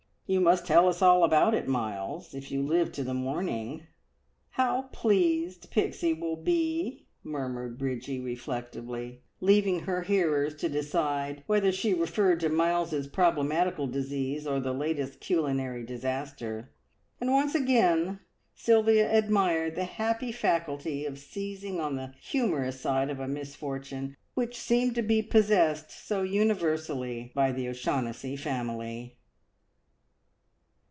You must tell us all about it, Miles, if you live to the morning!" "How pleased Pixie will be!" murmured Bridgie reflectively, leaving her hearers to decide whether she referred to Miles's problematical disease or the latest culinary disaster, and once again Sylvia admired the happy faculty of seizing on the humorous side of a misfortune which seemed to be possessed so universally by the O'Shaughnessy family.